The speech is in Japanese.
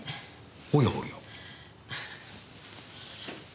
おやおや。